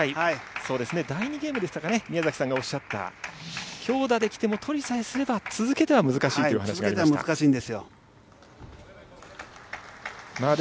そうですね、第２ゲームでしたかね、宮崎さんがおっしゃった、強打できても、取りさえすれば続けては難しいという話がありました。